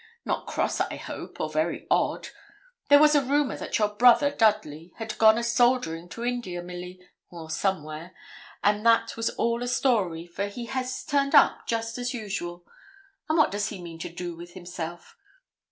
not cross, I hope, or very odd. There was a rumour that your brother, Dudley, had gone a soldiering to India, Milly, or somewhere; but that was all a story, for he has turned up, just as usual. And what does he mean to do with himself?